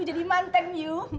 jadi mantan yu